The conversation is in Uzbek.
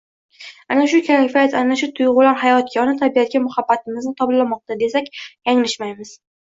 Ana shu kayfiyat, ana shu tuygʻular hayotga, ona tabiatga muhabbatimizni toblamoqda, desak yanglishmaymiz.